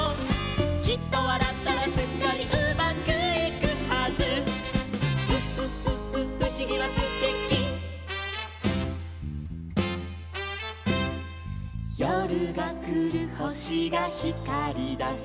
「きっとわらったらすっかりうまくいくはず」「うふふふふしぎはすてき」「よるがくるほしがひかりだす」